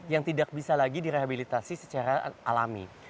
yang tidak bisa lagi direhabilitasi secara alami